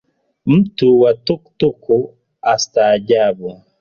Mtu wa Tuktuk atastaajabu.